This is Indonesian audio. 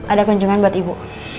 ada kunjungan buat ibu